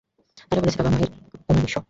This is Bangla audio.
আর বলছে বাবা-মায় উনার বিশ্ব।